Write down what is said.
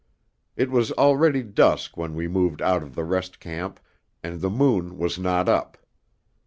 It was already dusk when we moved out of the rest camp, and the moon was not up.